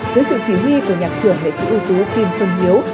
gửi sử chỉ huy của nhạc trưởng nghệ sĩ ưu tú kim xung hiếu